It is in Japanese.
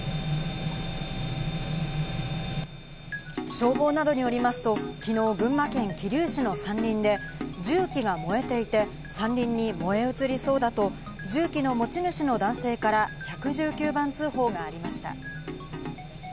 消防などによりますと昨日、群馬県桐生市の山林で、重機が燃えていて山林に燃え移りそうだと重機の持ち主の男性から１１９番通報がありました。